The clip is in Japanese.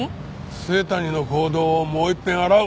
末谷の行動をもういっぺん洗う。